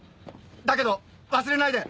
だけど忘れないで！